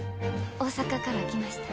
大阪から来ました。